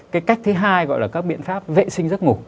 cái cách thứ hai gọi là các biện pháp vệ sinh giấc ngủ